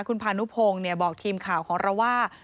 คุณพานุพงศ์บอกทีมข่าวของเราว่า